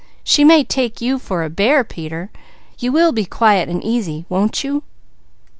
She may take you for a bear, Peter; you will be quiet and easy, won't you?"